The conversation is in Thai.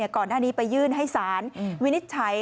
ก่อนหน้านี้ไปยื่นให้สารวินิจฉัย